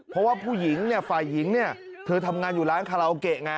เพราะว่าผู้หญิงเนี่ยฝ่ายหญิงเนี่ยเธอทำงานอยู่ร้านคาราโอเกะไง